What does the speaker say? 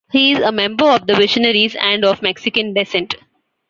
He is a member of The Visionaries and Of Mexican Descent.